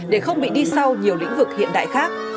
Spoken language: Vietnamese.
để không bị đi sau nhiều lĩnh vực hiện đại khác